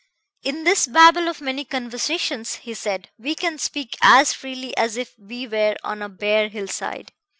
"In this babble of many conversations," he said, "we can speak as freely as if we were on a bare hill side.